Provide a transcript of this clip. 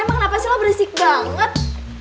emang kenapa sih lo beresik banget